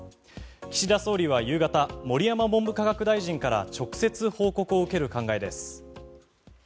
岸田総理は夕方盛山文部科学大臣から直接、報告を受ける考えです。